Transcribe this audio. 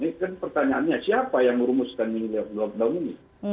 ini pertanyaannya siapa yang merumuskan mini lockdown ini